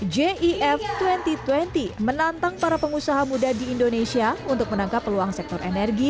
jif dua ribu dua puluh menantang para pengusaha muda di indonesia untuk menangkap peluang sektor energi